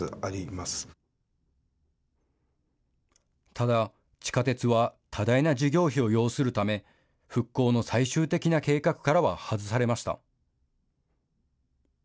ただ地下鉄は多大な事業費を要するため復興の最終的な計画からは外されました。